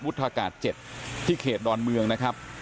อากาศ๗ที่เขตดอนเมืองนะครับ